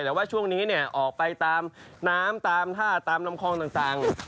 แต่ว่าช่วงนี้เนี่ยออกไปตามน้ำตามท่าตามลำคลองต่าง